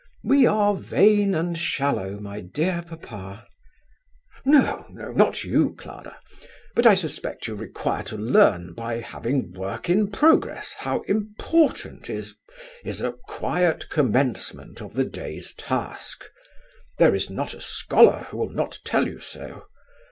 "We are vain and shallow, my dear papa." "No, no, not you, Clara. But I suspect you to require to learn by having work in progress how important is ... is a quiet commencement of the day's task. There is not a scholar who will not tell you so.